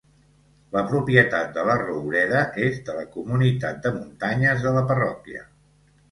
La propietat de la roureda és de la Comunitat de Muntanyes de la parròquia.